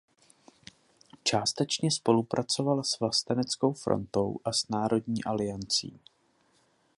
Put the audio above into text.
Částečně spolupracovala s Vlasteneckou frontou a s Národní aliancí.